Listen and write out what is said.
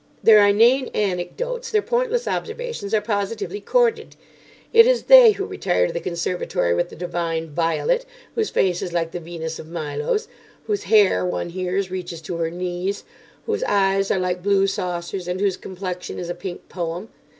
Their inane anecdotes, their pointless observations are positively courted. It is they who retire to the conservatory with the divine Violet, whose face is like the Venus of Milo's, whose hair (one hears) reaches to her knees, whose eyes are like blue saucers, and whose complexion is a pink poem.